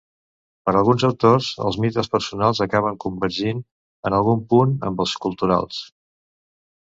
Per alguns autors, els mites personals acaben convergint en algun punt amb els culturals.